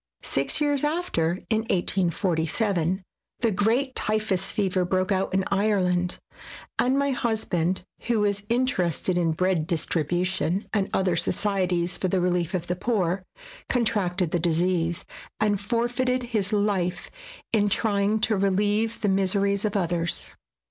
Six years after, in 1847, the great typhus fever broke out in Ireland, and my husband, who was inter ested in bread distribution and other socie ties for the relief of the poor, contracted the disease and forfeited his life in trjdng to relieve the miseries of others.